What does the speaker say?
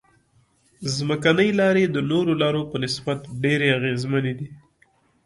ځمکنۍ لارې د نورو لارو په نسبت ډېرې اغیزمنې دي